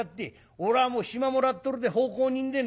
おらはもう暇もらっとるで奉公人でねえ。